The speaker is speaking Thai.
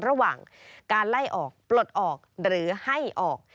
ระหว่างการไล่ออกปลดออกหรือให้ออก